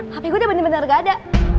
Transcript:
tapi gue udah bener bener gak ada